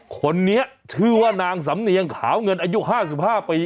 คนนี้ชื่อว่านางสำเนียงขาวเงินอายุ๕๕ปี